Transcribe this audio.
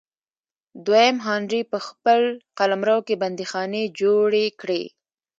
دویم هانري په خپل قلمرو کې بندیخانې جوړې کړې.